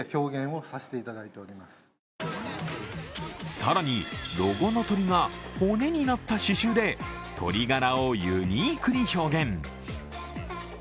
更に、ロゴの鶏が骨になった刺繍で鶏ガラをユニークに表現。